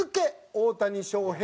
大谷翔平